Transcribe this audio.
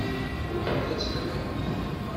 Ṛuḥemt ad tmellḥemt!